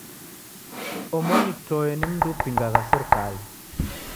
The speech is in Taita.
Omoni toe ni mndu upingagha serikali.